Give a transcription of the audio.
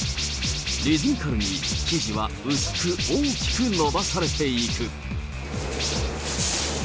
リズミカルに生地は薄く大きく延ばされていく。